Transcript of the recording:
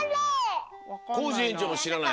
コージえんちょうもしらない。